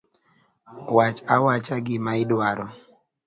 Wach awacha gima idwaro.